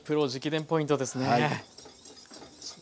ポイントですね。